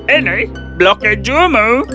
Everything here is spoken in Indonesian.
ini blok kejumu